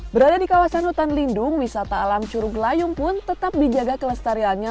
berada di kawasan hutan lindung wisata alam curug layung pun tetap dijaga kelestariannya